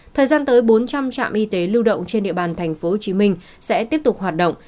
thời gian tới bốn trăm linh trạm y tế lưu động trên địa bàn tp hcm sẽ tiếp tục hoạt động